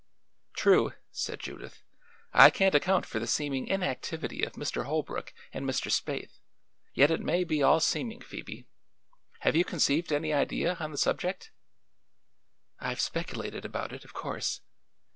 "True," said Judith. "I can't account for the seeming inactivity of Mr. Holbrook and Mr. Spaythe; yet it may be all seeming, Phoebe. Have you conceived any idea on the subject?" "I've speculated about it, of course.